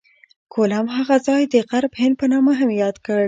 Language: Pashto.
کولمب هغه ځای د غرب هند په نامه یاد کړ.